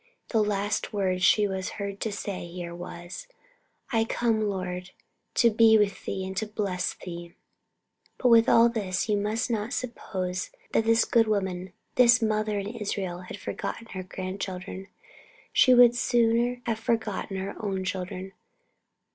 The last word she was heard to say here was, "I come, Lord, to be with Thee, and to bless Thee." But with all this, you must not suppose that this good woman, this mother in Israel, had forgotten her grandchildren. She would sooner have forgotten her own children.